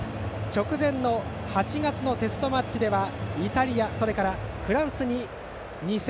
直前の８月のテストマッチではイタリア、それからフランスに２戦。